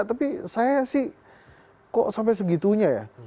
tapi saya sih kok sampai segitunya ya